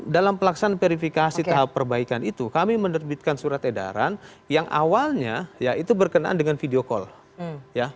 dalam pelaksanaan verifikasi tahap perbaikan itu kami menerbitkan surat edaran yang awalnya ya itu berkenaan dengan video call